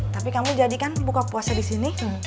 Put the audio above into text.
tapi kamu jadi kan buka puasa disini